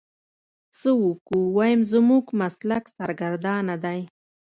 څه وکو ويم زموږ مسلک سرګردانه دی.